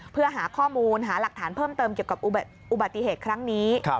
เพื่อหาข้อมูลหาหลักฐานเพิ่มเติมเกี่ยวกับอุบัติเหตุครั้งนี้